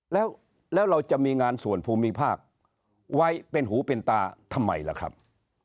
แล้วเราจะมีงานส่วนภูมิภาคไว้เป็นหูเป็นตาทำไมล่ะครับ